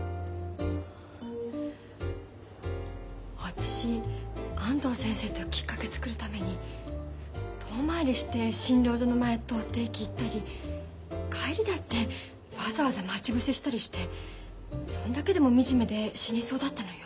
私安藤先生ときっかけ作るために遠回りして診療所の前通って駅行ったり帰りだってわざわざ待ち伏せしたりしてそんだけでも惨めで死にそうだったのよ。